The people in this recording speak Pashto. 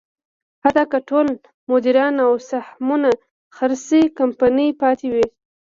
حتی که ټول مدیران او سهمونه خرڅ شي، کمپنۍ پاتې وي.